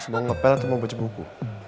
mau ngepel atau mau baca buku